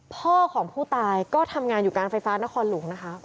พ่อของผู้ตายก็ทำงานอยู่การไฟฟ้านครหลวงนะคะ